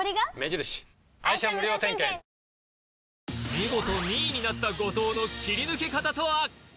見事２位になった後藤の切り抜け方とは？